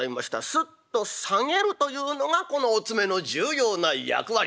すっと下げるというのがこのお詰めの重要な役割。